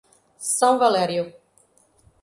São Valério